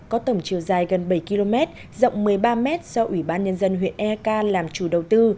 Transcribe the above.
có tổng chiều dài gần bảy km rộng một mươi ba m do ủy ban nhân dân huyện eak làm chủ đầu tư